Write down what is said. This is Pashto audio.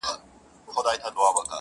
ته راشه شکېبا د خپلې غېږ اور کې لمبه کړه